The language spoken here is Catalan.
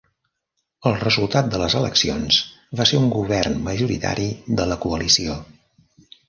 El resultat de les eleccions va ser un govern majoritari de la coalició.